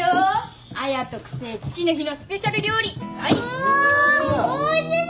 うわおいしそう。